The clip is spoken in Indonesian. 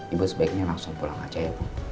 ibu sebaiknya langsung pulang aja ya bu